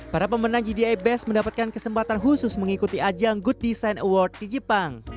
para pemenang gdi best mendapatkan kesempatan khusus mengikuti ajang good design award di jepang